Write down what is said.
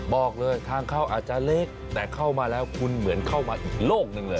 บอกเลยทางเข้าอาจจะเล็กแต่เข้ามาแล้วคุณเหมือนเข้ามาอีกโลกหนึ่งเลย